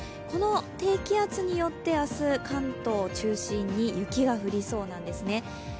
この低気圧によって明日、関東を中心に雪が降りそうなんですね。